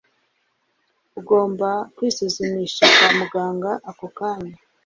ugomba kwisuzumisha kwa muganga ako kanya